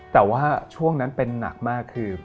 แต่ว่าช่วงนั้นเป็นหนักมากคือ